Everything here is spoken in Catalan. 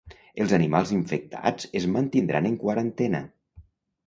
Els animals infectats es mantindran en quarantena.